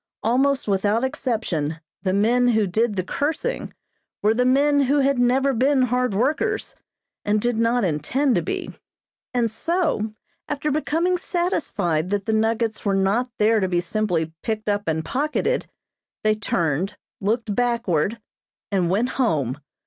Almost without exception, the men who did the cursing were the men who had never been hard workers, and did not intend to be, and so, after becoming satisfied that the nuggets were not there to be simply picked up and pocketed, they turned, looked backward, and went home.